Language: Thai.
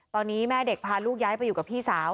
ตอนนี้แม่เด็กพาลูกย้ายไปอยู่กับพี่สาว